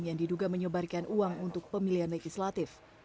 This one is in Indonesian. yang diduga menyebarkan uang untuk pemilihan legislatif